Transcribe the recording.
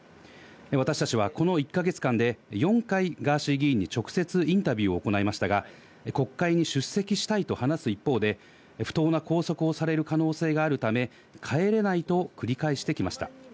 私たちはこの１か月間で４回、ガーシー議員に直接インタビューを行いましたが、国会に出席したいと話す一方で、不当な拘束をされる可能性があるため、帰れないと繰り返してきました。